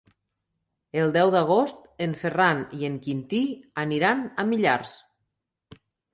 El deu d'agost en Ferran i en Quintí aniran a Millars.